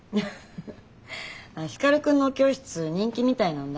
フフ光くんのお教室人気みたいなんだ。